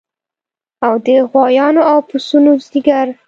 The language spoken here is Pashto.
او د غوایانو او پسونو ځیګر